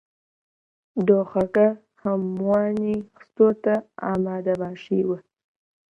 دۆخەکە هەموومانی خستووەتە ئامادەباشییەوە.